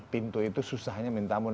pintu itu susahnya minta ampun